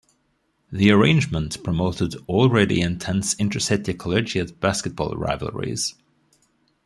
The arrangement promoted already intense inter-city collegiate basketball rivalries.